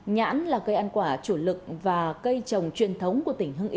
nhãn là cây ăn quả chủ lực và cây trồng truyền thống của tỉnh hương